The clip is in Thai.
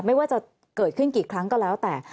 ไม่ว่าจะเกิดขึ้นกี่ครั้งก็แล้วแต่